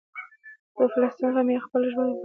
خو د فلسطین غم یې د خپل ژوند یوه برخه وګرځوله.